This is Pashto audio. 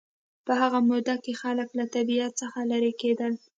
په هغه موده کې خلک له طبیعت څخه لېرې کېدل